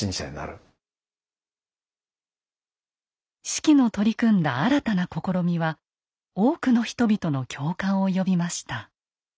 子規の取り組んだ新たな試みは多くの人々の共感を呼びました。